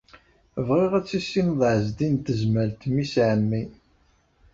Bɣiɣ ad tissineḍ Ɛezdin n Tezmalt, mmi-s n ɛemmi.